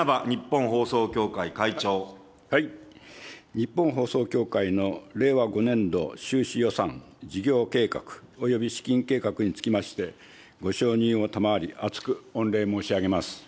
日本放送協会の令和５年度収支予算事業計画および資金計画につきまして、ご承認を賜り、厚く御礼申し上げます。